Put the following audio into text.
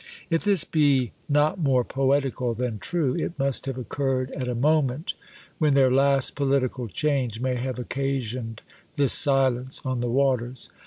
If this be not more poetical than true, it must have occurred at a moment when their last political change may have occasioned this silence on the waters.